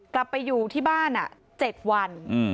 กลับไปอยู่ที่บ้าน๗วัน